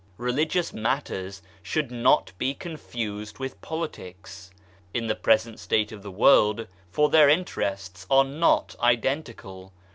Religious matters should not be con fused with Politics, in the present state of the world (for their interests are not identical).